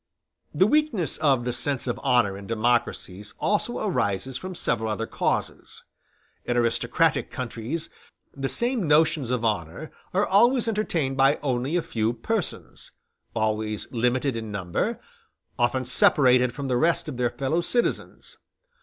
The weakness of the sense of honor in democracies also arises from several other causes. In aristocratic countries, the same notions of honor are always entertained by only a few persons, always limited in number, often separated from the rest of their fellow citizens.